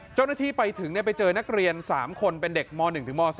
เจ้าหน้าที่ไปถึงไปเจอนักเรียน๓คนเป็นเด็กม๑ถึงม๓